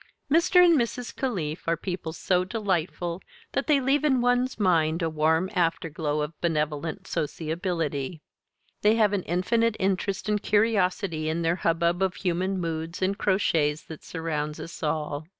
Mr. and Mrs. Caliph are people so delightful that they leave in one's mind a warm afterglow of benevolent sociability. They have an infinite interest and curiosity in the hubbub of human moods and crotchets that surrounds us all.